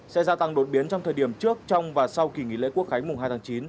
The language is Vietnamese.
sẽ gia tăng đột biến trong thời điểm trước trong và sau kỳ nghỉ lễ quốc khánh mùng hai tháng chín